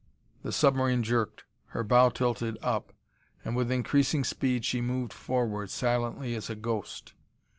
The submarine jerked, her bow tilted up and with increasing speed she moved forward, silently as a ghost.